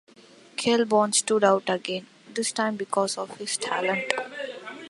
Kilborn stood out again, this time because of his talent.